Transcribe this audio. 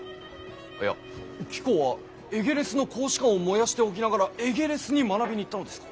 いや貴公はエゲレスの公使館を燃やしておきながらエゲレスに学びに行ったのですか？